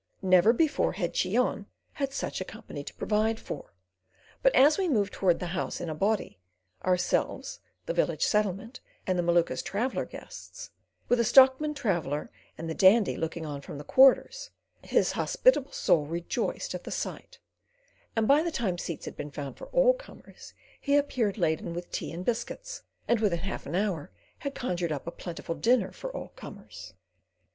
Never before had Cheon had such a company to provide for; but as we moved towards the house in a body—ourselves, the village settlement, and the Maluka's traveller guests, with a stockman traveller and the Dandy looking on from the quarters, his hospitable soul rejoiced at the sight; and by the time seats had been found for all comers, he appeared laden with tea and biscuits, and within half an hour had conjured up a plentiful dinner for all comers.